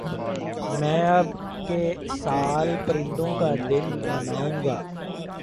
میں اب کے سال پرندوں کا دن مناؤں گا